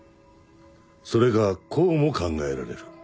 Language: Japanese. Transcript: それかこうも考えられる。